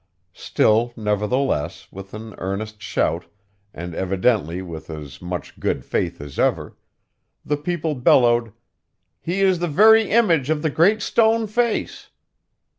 Still, nevertheless, with an earnest shout, and evidently with as much good faith as ever, the people bellowed 'He is the very image of the Great Stone Face!